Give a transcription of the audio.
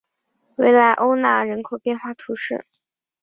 维莱欧讷人口变化图示